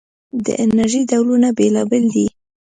د انرژۍ ډولونه بېلابېل دي.